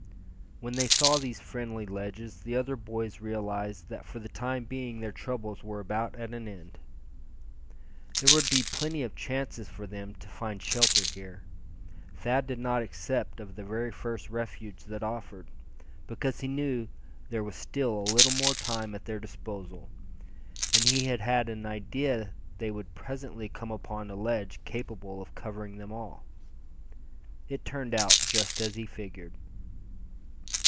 When they saw these friendly ledges the other boys realized that for the time being their troubles were about at an end. There would be plenty of chances for them to find shelter here. Thad did not accept of the very first refuge that offered, because he knew there was still a little more time at their disposal, and he had an idea they would presently come upon a ledge capable of covering them all. It turned out just as he figured.